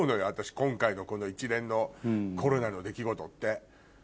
私今回のこの一連のコロナの出来事って。